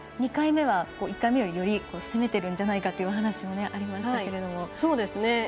２回目は１回目よりより攻めてるんじゃないかというお話もありましたけれども。